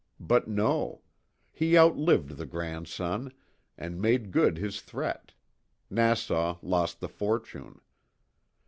But no. He outlived the grandson, and made good his threat Nassau lost the fortune.